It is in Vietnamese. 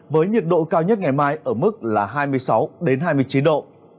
với nhiệt độ cao nhất ngày mai ở mức là hai mươi sáu hai mươi chín độ